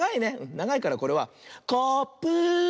ながいからこれはコーップー。